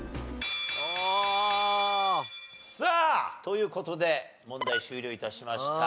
さあという事で問題終了致しました。